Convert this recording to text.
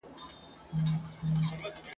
زه د رباب زه د شهباز په ژبه نظم لیکم !.